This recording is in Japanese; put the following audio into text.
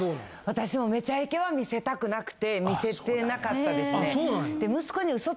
私も『めちゃイケ』は見せたくなくて見せてなかったですね。